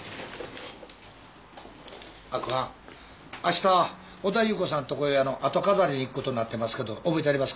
明子はんあした小田夕子さんとこへあの後飾りに行くことになってますけど覚えてはりますか？